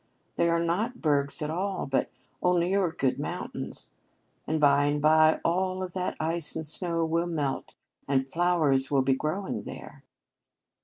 They are not bergs at all, but only your good mountains, and by and by all of that ice and snow will melt and flowers will be growing there."